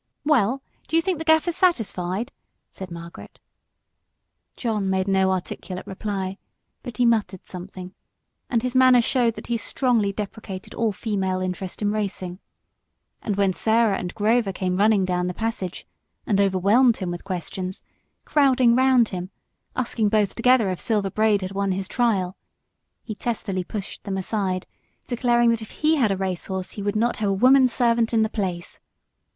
"Well, do you think the Gaffer's satisfied?" said Margaret. John made no articulate reply, but he muttered something, and his manner showed that he strongly deprecated all female interest in racing; and when Sarah and Grover came running down the passage and overwhelmed him with questions, crowding around him, asking both together if Silver Braid had won his trial, he testily pushed them aside, declaring that if he had a race horse he would not have a woman servant in the place....